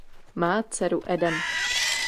Má dceru Eden.